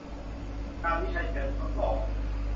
การวิจัยเชิงทดลอง